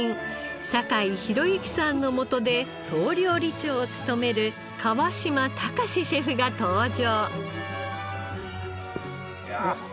坂井宏行さんのもとで総料理長を務める川島孝シェフが登場。